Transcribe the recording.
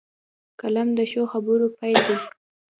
قلم د ښو خبرو پيل دی